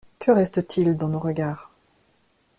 Que reste-t-il dans nos regards?